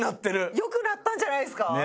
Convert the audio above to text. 良くなったんじゃないですか？